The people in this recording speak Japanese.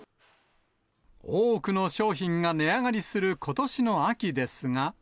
多くの商品が値上がりすることしの秋ですが。